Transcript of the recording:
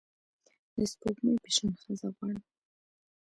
د سپوږمۍ په شان ښځه غواړم